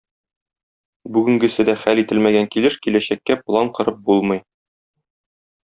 Бүгенгесе дә хәл ителмәгән килеш киләчәккә план корып булмый.